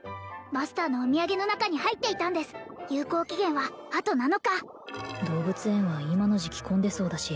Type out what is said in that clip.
マスターのお土産の中に入っていたんです有効期限はあと７日動物園は今の時期混んでそうだし